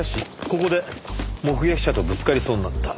ここで目撃者とぶつかりそうになった。